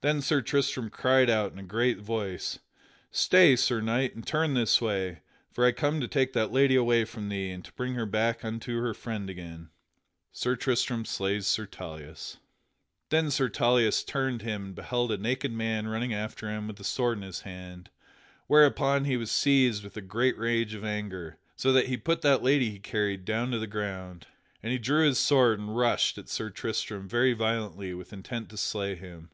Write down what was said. Then Sir Tristram cried out in a great voice: "Stay, Sir Knight, and turn this way, for I come to take that lady away from thee and to bring her back unto her friend again!" [Sidenote: Sir Tristram slays Sir Tauleas] Then Sir Tauleas turned him and beheld a naked man running after him with a sword in his hand, whereupon he was seized with a great rage of anger, so that he put that lady he carried down to the ground. And he drew his sword and rushed at Sir Tristram very violently with intent to slay him.